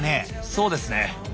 そうですね。